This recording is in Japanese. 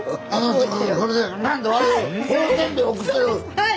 はい。